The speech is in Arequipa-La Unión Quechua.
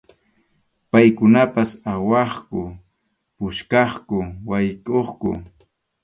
Paykunapas awaqku, puskaqku, waykʼuqku.